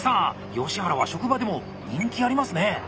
吉原は職場でも人気ありますね。